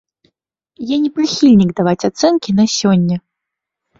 Я не прыхільнік даваць ацэнкі на сёння.